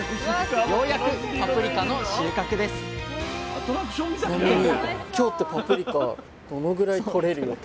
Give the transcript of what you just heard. ようやくパプリカの収穫ですでも！